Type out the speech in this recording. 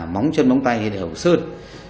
móng chân móng tay thì đều sơn